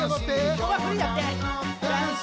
ここはフリーだって。